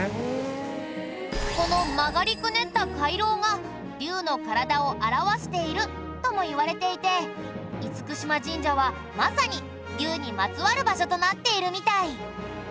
この曲がりくねった回廊が竜の体を表しているともいわれていて嚴島神社はまさに竜にまつわる場所となっているみたい。